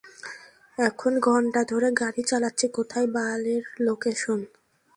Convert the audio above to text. এখন ঘন্টা ধরে গাড়ি চালাচ্ছি, কোথায় বালের লোকেশন?